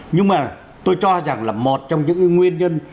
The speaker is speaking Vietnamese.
nhưng mà tôi cho rằng là một trong những nguyên nhân